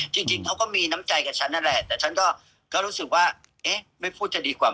จริงเขาก็มีน้ำใจกับฉันนั่นแหละแต่ฉันก็รู้สึกว่าเอ๊ะไม่พูดจะดีกว่า